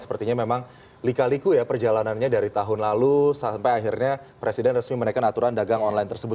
sepertinya memang lika liku ya perjalanannya dari tahun lalu sampai akhirnya presiden resmi menaikkan aturan dagang online tersebut